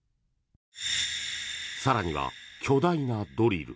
更には、巨大なドリル。